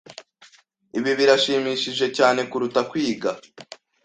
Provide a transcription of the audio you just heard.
Ibi birashimishije cyane kuruta kwiga.